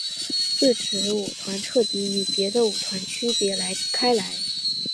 自此舞团彻底与别的舞团区别开来。